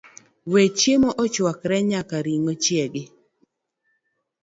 we chiemo ochwakre nyaka ring'o chiegi